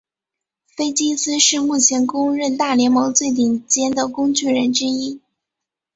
菲金斯是目前公认大联盟最顶尖的工具人之一。